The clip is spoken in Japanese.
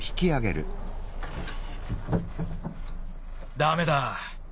ダメだ。